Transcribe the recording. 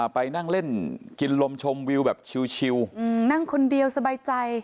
ไปนั่งเล่นกินลมชมวิวแบบชิวนั่งคนเดียวสบายใจ